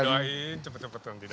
saya doain cepet cepetan tidak